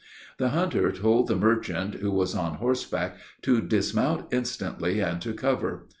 The hunter told the merchant, who was on horseback, to dismount instantly, "and to cover."